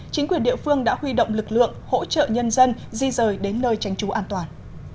chính quyền địa phương đã huy động lực lượng hỗ trợ nhân dân di rời đến nơi tránh trú an toàn